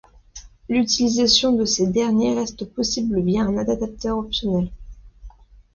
L'utilisation de ces derniers reste possible via un adaptateur optionnel.